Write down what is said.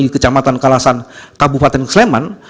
kecamatan kalasan kabupaten sleman